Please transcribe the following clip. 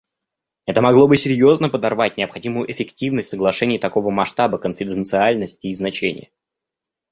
Это могло бы серьезно подорвать необходимую эффективность соглашений такого масштаба, конфиденциальности и значения.